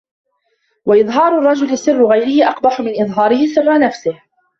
وَإِظْهَارُ الرَّجُلِ سِرَّ غَيْرِهِ أَقْبَحُ مِنْ إظْهَارِهِ سِرَّ نَفْسِهِ